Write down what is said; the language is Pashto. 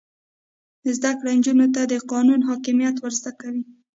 زده کړه نجونو ته د قانون حاکمیت ور زده کوي.